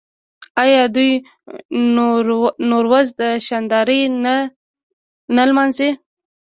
آیا دوی نوروز په شاندارۍ نه لمانځي؟